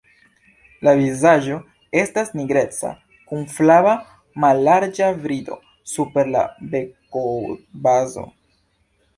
La vizaĝo estas nigreca kun flava mallarĝa brido super la bekobazo.